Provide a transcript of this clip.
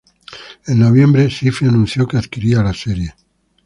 En noviembre, Syfy anunció que adquiría la serie.